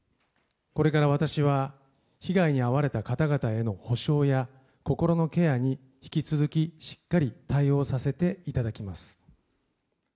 これから私は被害に遭われた方々への補償や、心のケアに引き続きしっかり対応させていただきます。